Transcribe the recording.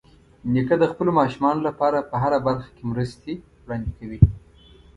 نیکه د خپلو ماشومانو لپاره په هره برخه کې مرستې وړاندې کوي.